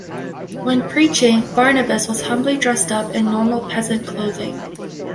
When preaching, Barnabas was humbly dressed up in normal peasant clothing.